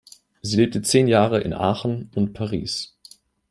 Sie lebte zehn Jahre in Aachen und Paris.